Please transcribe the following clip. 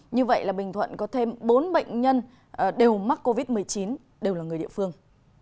như vậy là bình thuận có thêm bốn bệnh nhân đều mắc covid một mươi chín đều là người địa phương